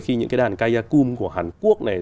khi những cái đàn kayakum của hàn quốc này